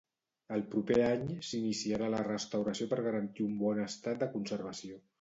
El proper any s'iniciarà la restauració per garantir un bon estat de conservació.